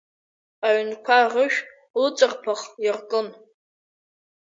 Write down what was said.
Аҩнқәа рышә ыҵарԥах иаркын…